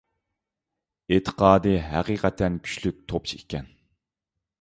ئېتىقادى ھەقىقەتەن كۈچلۈك توپچى ئىكەن